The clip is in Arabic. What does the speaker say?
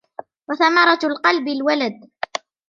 وَثَمَرَةُ الْقَلْبِ الْوَلَدُ